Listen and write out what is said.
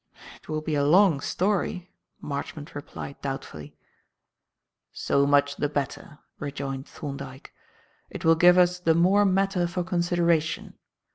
"It will be a long story," Marchmont replied doubtfully. "So much the better," rejoined Thorndyke. "It will give us the more matter for consideration.